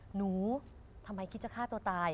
หนูทำไมคิดจะฆ่าตัวตาย